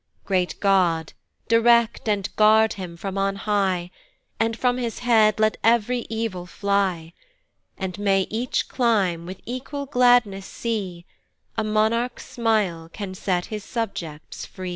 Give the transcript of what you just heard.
Great God, direct, and guard him from on high, And from his head let ev'ry evil fly! And may each clime with equal gladness see A monarch's smile can set his subjects free!